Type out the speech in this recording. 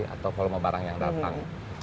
atau volume barang yang datang